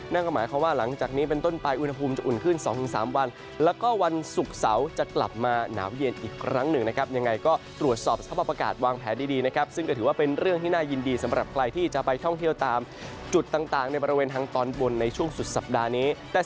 นั่นก็หมายความว่าหลังจากนี้เป็นต้นไปอุณหภูมิจะอุ่นขึ้น๒๓วันแล้วก็วันศุกร์เสาร์จะกลับมาหนาวเย็นอีกครั้งหนึ่งนะครับยังไงก็ตรวจสอบสภาพอากาศวางแผนดีนะครับซึ่งก็ถือว่าเป็นเรื่องที่น่ายินดีสำหรับใครที่จะไปท่องเที่ยวตามจุดต่างในบริเวณทางตอนบนในช่วงสุดสัปดาห์นี้